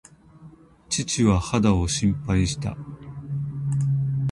父は肌を心配した。